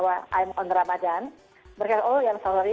kalau kita katakan bahwa i'm on ramadan mereka oh ya sorry